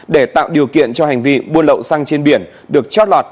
để tạo điều kiện cho hành vi buôn lậu xăng trên biển được trót lọt